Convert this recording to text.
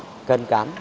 và tỉ lệ đúng chuẩn